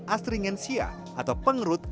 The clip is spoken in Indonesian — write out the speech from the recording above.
astringensia atau pengerut